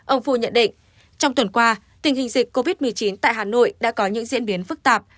ông phu nhận định trong tuần qua tình hình dịch covid một mươi chín tại hà nội đã có những diễn biến phức tạp